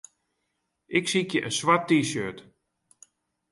Ik sykje in swart T-shirt.